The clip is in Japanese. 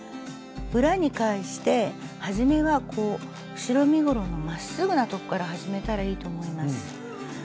裏に返してはじめは後ろ身ごろのまっすぐな所から始めたらいいと思います。